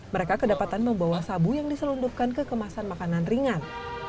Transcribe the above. mereka kedapatan membawa sabu yang diselundupkan ke kemasan makanan ringan